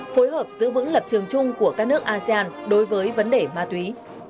phối hợp giữ vững lập trường chung của các nước asean đối với vấn đề ma túy